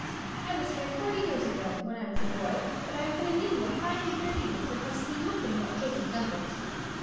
I was here forty years ago, when I was a boy; but I have been in India five and thirty years, and have seen nothing but Pagan temples."